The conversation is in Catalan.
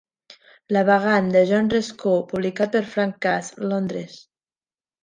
'La Baganda' de John Roscoe, publicat per Frank Cass, Londres.